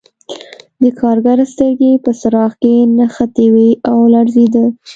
د کارګر سترګې په څراغ کې نښتې وې او لړزېده